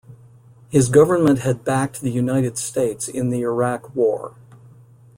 His government had backed the United States in the Iraq war.